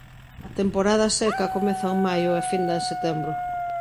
A temporada seca comeza en maio e finda en setembro.